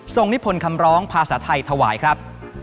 นิพนธ์คำร้องภาษาไทยถวายครับ